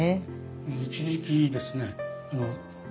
一時期ですね娘